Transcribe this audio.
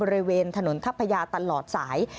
บริเวณถนนทัพยาตลอดสาย